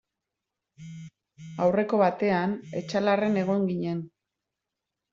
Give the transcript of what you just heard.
Aurreko batean Etxalarren egon ginen.